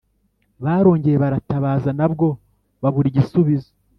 barongeye baratabaza, nabwo babura igisubizo,